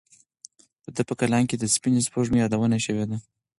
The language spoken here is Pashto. د ده په کلام کې د سپینې سپوږمۍ یادونه شوې ده.